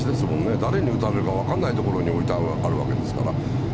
誰に打たれるか分からない所に置いてあるわけですから。